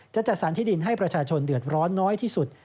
จัดสรรที่ดินให้ประชาชนเดือดร้อนน้อยที่สุด